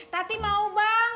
tati mau bang